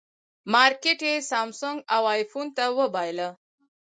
مارکېټ یې سامسونګ او ایفون ته وبایله.